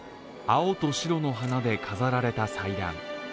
青と白の花で飾られた祭壇。